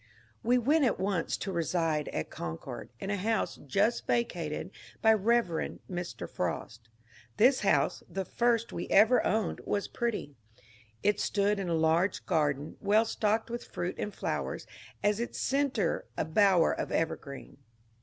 We went at onoe to reside at CoDcord, in a bouse just vacated by Rev. Mr. Frost. Tbis bouse, tbe first we ever owned, was pretty ; it stood in a large garden, well stocked witb fruit and flowers, at its centre a bower of evergreen.